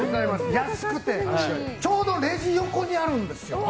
安くてちょうどレジ横にあるんですよ。